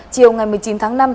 chiều ngày một mươi chín tháng năm